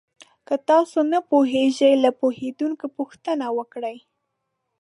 که تاسو نه پوهېږئ، له پوهېدونکو پوښتنه وکړئ.